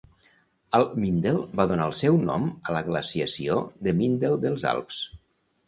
El Mindel va donar el seu nom a la Glaciació de Mindel dels Alps.